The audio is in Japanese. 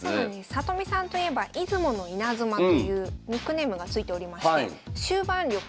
里見さんといえば「出雲のイナズマ」というニックネームが付いておりまして終盤力